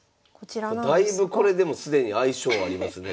だいぶこれでも既に相性ありますね。